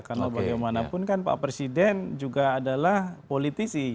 karena bagaimanapun kan pak presiden juga adalah politisi